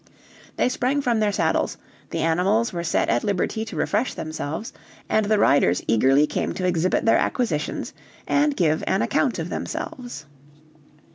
They sprang from their saddles, the animals were set at liberty to refresh themselves, and the riders eagerly came to exhibit their acquisitions and give an account of themselves.